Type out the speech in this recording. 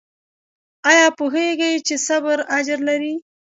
ایا پوهیږئ چې صبر اجر لري؟